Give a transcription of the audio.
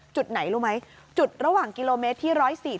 จุดไหนรู้ไหมจุดระหว่างกิโลเมตรที่๑๔๐